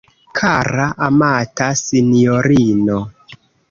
Kara, amata sinjorino!